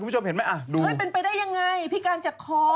เป็นไปได้ยังไงพี่กัลจากคอ